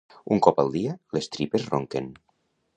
Un cop al dia, les tripes ronquen.